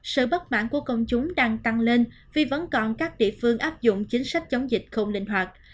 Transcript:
sự bất mãn của công chúng đang tăng lên vì vẫn còn các địa phương áp dụng chính sách chống dịch không linh hoạt